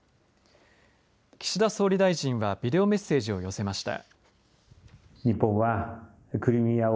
岸田総理大臣はビデオメッセージを寄せました。